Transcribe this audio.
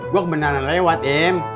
gue ke benaran lewat im